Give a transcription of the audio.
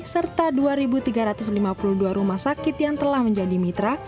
serta dua tiga ratus lima puluh dua rumah sakit yang telah menjadi mitra